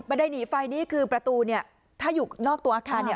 ใดหนีไฟนี่คือประตูเนี่ยถ้าอยู่นอกตัวอาคารเนี่ย